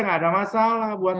tidak ada masalah